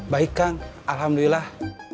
baik kang alhamdulillah